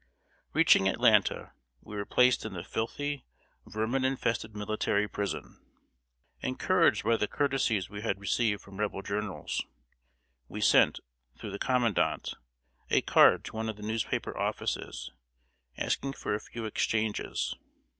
] Reaching Atlanta, we were placed in the filthy, vermin infested military prison. Encouraged by the courtesies we had received from Rebel journals, we sent, through the commandant, a card to one of the newspaper offices, asking for a few exchanges.